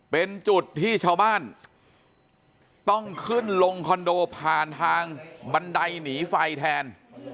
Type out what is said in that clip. เป็นจุดที่ชาวบ้านต้องขึ้นลงคอนโดผ่านทางบันไดหนีไฟแทน